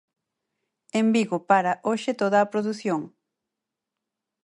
En Vigo para hoxe toda a produción.